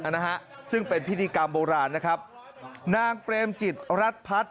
นะฮะซึ่งเป็นพิธีกรรมโบราณนะครับนางเปรมจิตรัฐพัฒน์